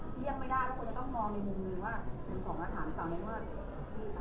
ถึงสองสงประสานแล้วด้านมาก